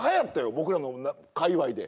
僕らの界わいで。